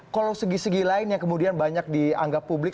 kalau segi segi lainnya kemudian banyak dianggap publik